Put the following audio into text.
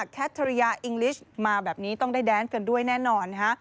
แคทเทอร์ยาอิงลิชมาแบบนี้ต้องได้แดนเกินด้วยแน่นอน